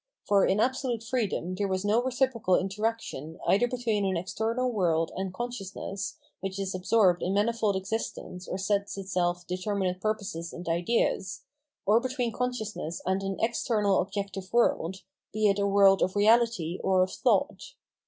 For in absolute freedom there was no reciprocal interaction either between an external world and consciousness, which is absorbed in manifold existence or sets itself determinate purposes and ideas, or between consciousness and an external objective world, be it a world of reality or of thought.